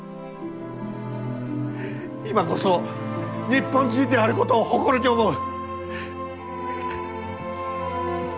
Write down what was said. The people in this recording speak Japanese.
今こそ日本人であることを誇りに思う！